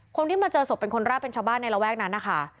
คนที่มาเจอศพเป็นคนแรกเป็นชาวบ้านในระแวกนั้นนะคะ